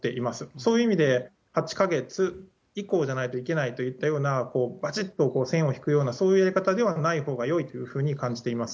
そういう意味で、８か月以降じゃないといけないといったような、ばちっと線を引くような、そういうやり方ではないほうがよいというふうに感じています。